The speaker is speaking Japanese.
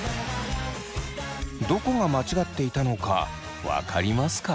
どこが間違っていたのか分かりますか？